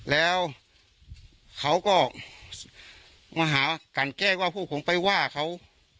แล้วเขาก็มาหากันแกล้งว่าพวกผมไปว่าเขา